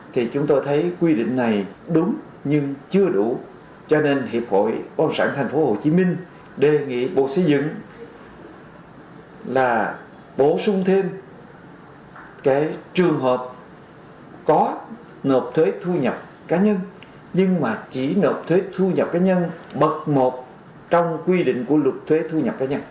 thì chúng tôi thấy quy định này đúng nhưng chưa đủ cho nên hiệp hội ban sản thành phố hồ chí minh đề nghị bộ xây dựng là bổ sung thêm cái trường hợp có ngợp thuế thu nhập cá nhân nhưng mà chỉ ngợp thuế thu nhập cá nhân mật một trong quy định của luật thuế thu nhập cá nhân